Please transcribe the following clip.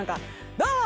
どうも！